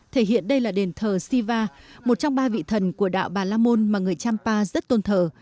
thể hiện đây là đền thờ siva một trong ba vị thần của đạo bà lamôn mà người champa rất tôn thờ